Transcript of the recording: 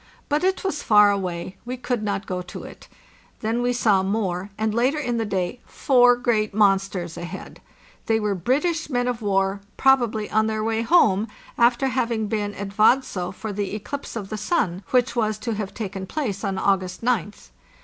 But it was far away; we could not go to it. Then we saw more, and later in the day four great monsters ahead. They were British men of war, probably on their way home after having been at Vads6 for the eclipse of the sun, which was to have taken place on August 9th.